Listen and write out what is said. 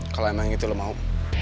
kalau emang gitu lo mau